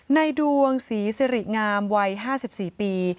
ในดวงศรีสิริงามวัย๕๔ปี